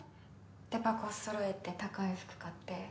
デパコスそろえて高い服買って。